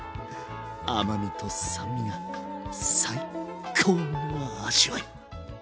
甘みと酸味が最高の味わい